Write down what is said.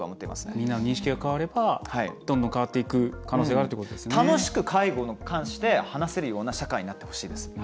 みんなの認識が変わればどんどん変わっていく楽しく介護に関して話せるような社会になってほしいです。